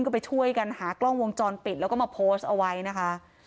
ก็ไปช่วยกันหากล้องวงจรปิดแล้วก็มาโพสต์เอาไว้นะคะ